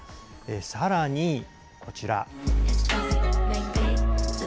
さらに、こちら。